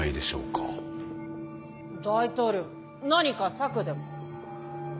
大統領何か策でも？